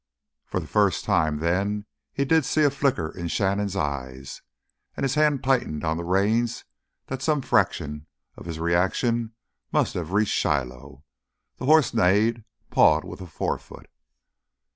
For the first time then he did see a flicker in Shannon's eyes. And his hand tightened so on the reins that some fraction of his reaction must have reached Shiloh. The horse neighed, pawed with a forefoot.